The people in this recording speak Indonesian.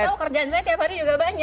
biar tau kerjaan saya tiap hari juga banyak